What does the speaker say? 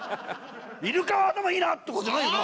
イルカは頭いいなとかじゃないよな？